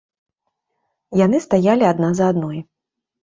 Яны стаялі адна за адной.